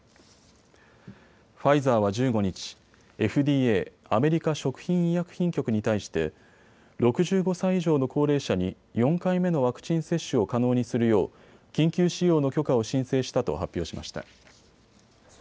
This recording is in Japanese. ファイザーは１５日、ＦＤＡ・アメリカ食品医薬品局に対して６５歳以上の高齢者に４回目のワクチン接種を可能にするよう緊急使用の許可を申請したと発表しました。